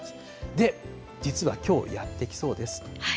で、実はきょう、やって来そうです。